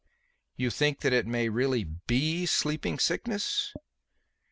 "You think that it may really be sleeping sickness?"